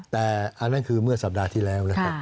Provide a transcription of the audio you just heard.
แต่อันนั้นคือเมื่อสัปดาห์ที่แล้วนะครับ